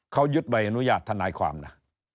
เขายึดใบอนุญาตทนายความนะ